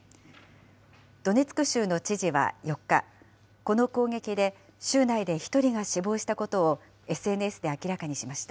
ドネツク州の知事は４日、この攻撃で州内で１人が死亡したことをＳＮＳで明らかにしました。